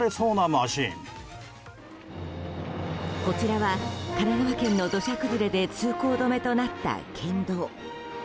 こちらは神奈川県の土砂崩れで通行止めとなった県道。